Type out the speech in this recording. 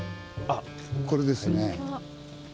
これですね。